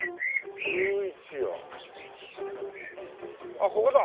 あっここだ。